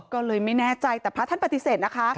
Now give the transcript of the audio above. ก็เลยไม่แน่ใจแต่พระท่านปฏิเสธนะคะ